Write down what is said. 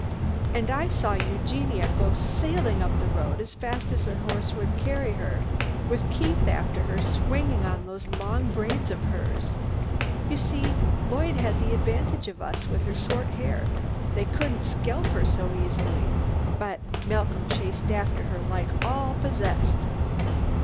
And I saw Eugenia go sailing up the road as fast as her horse could carry her, with Keith after her, swinging on to those two long black braids of hers. You see Lloyd had the advantage of us with her short hair. They couldn't scalp her so easily; but Malcolm chased after her like all possessed."